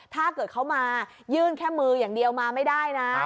ถ้าเกิดเขามายื่นแค่มืออย่างเดียวมาไม่ได้นะ